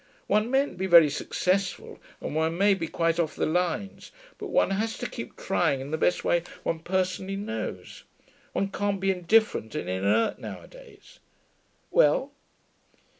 One mayn't be very successful, and one may be quite off the lines; but one has to keep trying in the best way one personally knows. One can't be indifferent and inert nowadays.... Well?'